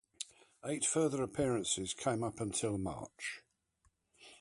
Eight further appearances came up until March.